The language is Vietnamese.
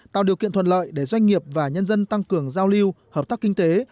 tạo điều kiện thuận lợi để doanh nghiệp và nhân dân tăng cường giao lưu hợp tác kinh tế